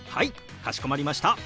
かしこまりました。